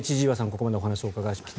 ここまでお話を伺いました。